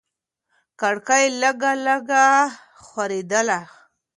کړکۍ لږه لږه ښورېدله.